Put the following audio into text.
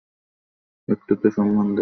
একটু তো সম্মান দে!